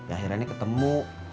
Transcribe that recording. akhirnya ini ketemu